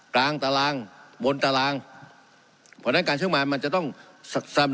กลางตารางบนตารางเพราะฉะนั้นการช่วยมามันจะต้องสำหรับ